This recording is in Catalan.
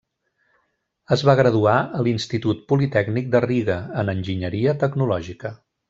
Es va graduar a l'Institut Politècnic de Riga, en enginyeria tecnològica.